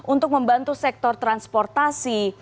untuk membantu sektor transportasi